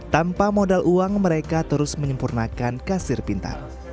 tanpa modal uang mereka terus menyempurnakan kasir pintar